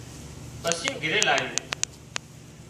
ٻسُون گھرِي لايون